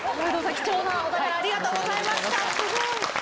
貴重なお宝ありがとうございました。